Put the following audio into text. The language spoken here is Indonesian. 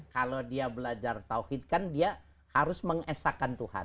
kalau dia belajar tawhid kan dia harus mengesahkan tuhan